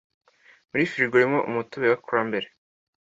Muri firigo harimo umutobe wa cranberry.